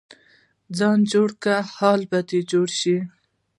ځان جوړ کړه، حال به جوړ شي.